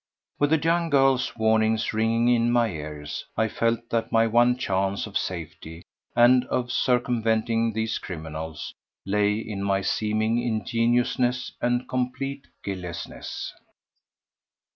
With the young girl's warnings ringing in my ears, I felt that my one chance of safety and of circumventing these criminals lay in my seeming ingenuousness and complete guileless ness.